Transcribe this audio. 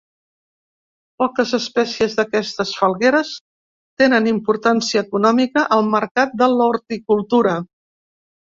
Poques espècies d'aquestes falgueres tenen importància econòmica al mercat de l'horticultura.